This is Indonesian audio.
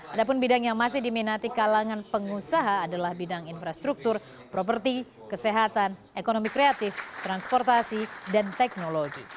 ada pun bidang yang masih diminati kalangan pengusaha adalah bidang infrastruktur properti kesehatan ekonomi kreatif transportasi dan teknologi